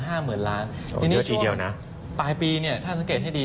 โอ้โฮเยอะทีเดียวนะทีนี้ช่วงปลายปีถ้าสังเกตให้ดี